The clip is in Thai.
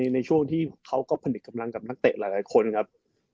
ในช่วงที่เขาก็ผลิตกำลังกับนักเตะหลายคนครับ